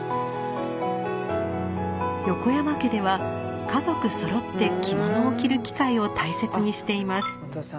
横山家では家族そろって着物を着る機会を大切にしています。